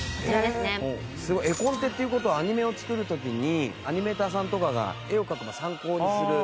すごい絵コンテっていう事はアニメを作る時にアニメーターさんとかが絵を描く参考にする。